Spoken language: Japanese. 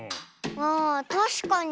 あたしかに。